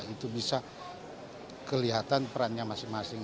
itu bisa kelihatan perannya masing masing